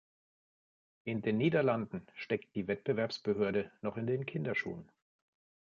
In den Niederlanden steckt die Wettbewerbsbehörde noch in den Kinderschuhen.